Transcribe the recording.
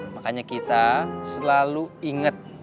makanya kita selalu inget